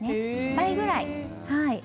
倍ぐらい。